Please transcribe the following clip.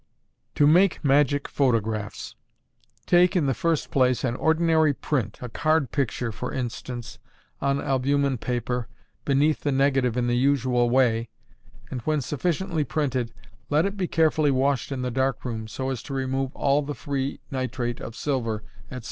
To Make Magic Photographs. Take, in the first place, an ordinary print a card picture, for instance on albumen paper, beneath the negative in the usual way, and, when sufficiently printed, let it be carefully washed in the dark room, so as to remove all the free nitrate of silver, etc.